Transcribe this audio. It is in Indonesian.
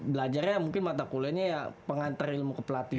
belajarnya mungkin mata kuliahnya ya pengantar ilmu kepelatihan